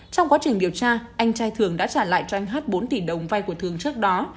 trong quá trình điều tra anh trai thường đã trả lại cho anh hát bốn tỷ đồng vay của thường trước đó